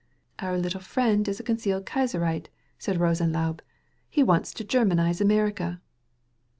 "Our little friend is a concealed Kaiserite," said Rosenlaube. "He wants to Germanize America."